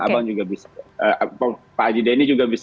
abang juga bisa pak haji denny juga bisa